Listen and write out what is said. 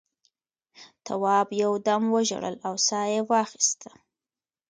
تواب یو دم وژړل او سا یې واخیسته.